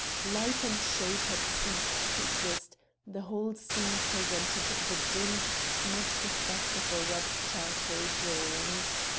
Light and shade had ceased to exist; the whole scene presented the dim, smudged effect of a rubbed charcoal drawing.